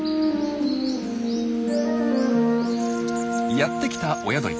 やってきた親鳥。